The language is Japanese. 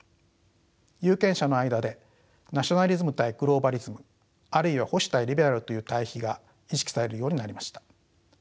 有権者の間でナショナリズム対グローバリズムあるいは保守対リベラルという対比が意識されるようになりました。